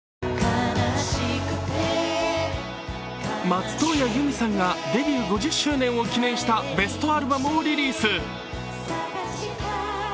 松任谷由実さんがデビュー５０周年を記念したベストアルバムをリリース。